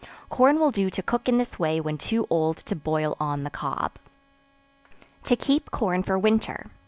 Corn will do to cook in this way when too old to boil on the cob. To Keep Corn for Winter.